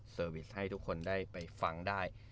วิสให้ทุกคนได้ไปฟังได้